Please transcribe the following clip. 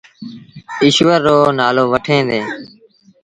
ايٚشور رو نآلو وٺيٚن ديٚݩ۔